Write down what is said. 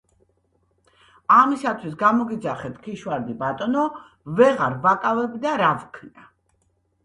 ამისთვის გამოგიძახეთ, ქიშვარდი ბატონო, ვეღარ ვაკავებ და რა ვქნა.